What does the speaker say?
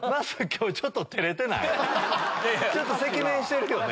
ちょっと赤面してるよね。